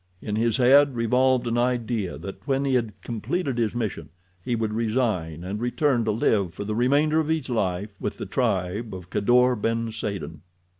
In his head revolved an idea that when he had completed his mission he would resign and return to live for the remainder of his life with the tribe of Kadour ben Saden.